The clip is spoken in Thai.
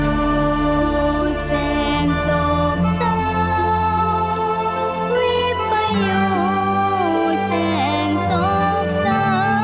อยู่เส้นสกเซาควิดไปอยู่เส้นสกเซา